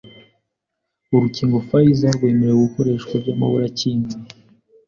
Urukingo Pfizer rwemerewe gukoreshwa by'amaburakindi